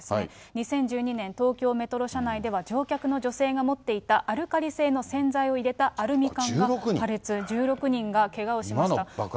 ２０１２年、東京メトロ車内では乗客の女性が持っていたアルカリ性の洗剤を入れたアルミ缶が破裂、１６人がけがをしました。